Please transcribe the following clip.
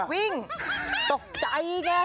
วิ่งตกใจเนี่ย